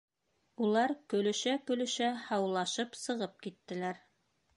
Улар көлөшә-көлөшә һаулашып сығып киттеләр.